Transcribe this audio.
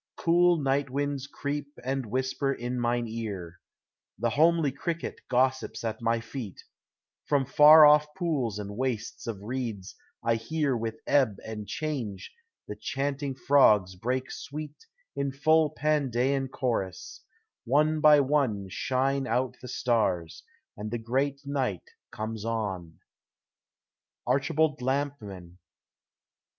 Cool night winds creep and whisper in mine ear; The homely cricket gossix>s at my feet; From far off pools and wastes of reeds I hear With ebb and change the chanting frogs break sweet In full Pandean chorus; one by one Shine out the stars, and the great night comes on. ARCHIBALD LAMPMAN.